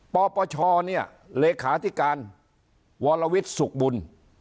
ปปชเนี่ยเลขาธิการวรวิทย์สุขบุญ